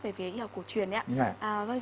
về phía y học cổ truyền